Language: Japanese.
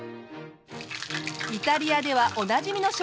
イタリアではおなじみの食材。